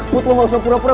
put lo nggak usah pura pura